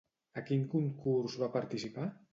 A quin concurs va participar?